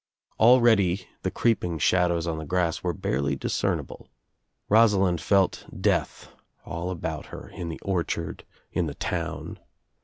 Already the creeping shadows on the grass were barely discern ible. Rosalind felt death all about her, in the orchard, in the town.